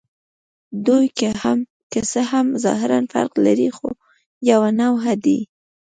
دوی که څه هم ظاهراً فرق لري، خو یوه نوعه دي.